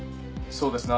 そうですね